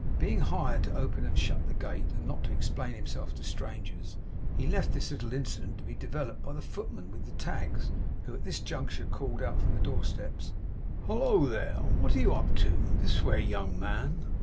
Being hired to open and shut the gate, and not to explain himself to strangers, he left this little incident to be developed by the footman with the tags, who, at this juncture, called out from the door steps: 'Hollo, there! wot are you up to? This way, young man!